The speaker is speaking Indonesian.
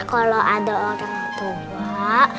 kalo ada orang tua